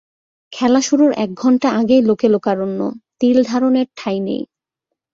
খেলা শুরুর এক ঘণ্টা আগেই লোকে লোকারণ্য, তিলধারণের ঠাঁই নেই।